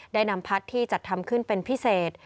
ได้นำพัดที่จัดทำขึ้นเป็นพิเศษ